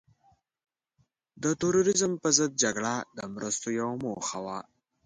د تروریزم په ضد جګړه د مرستو یوه موخه وه.